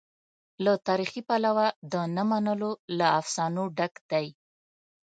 له تاریخي پلوه د نه منلو له افسانو ډک دی.